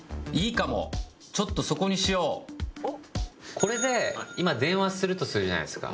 これで今電話するとするじゃないですか。